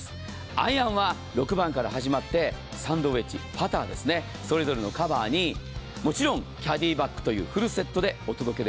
アイアンは６番から始まってサンドウエッジ、、パターですね、それぞれのカバーにもちろんキャディーバッグというフルセットです。